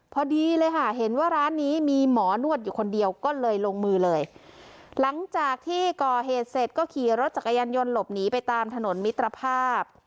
พอดีเลยค่ะเห็นว่าร้านนี้มีหมอนวดอยู่คนเดียวก็เลยลงมือเลยหลังจากที่ก่อเหตุเสร็จก็ขี่รถจักรยานยนต์หลบหนีไปตามถนนมิตรภาพ